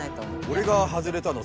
おれが外れたの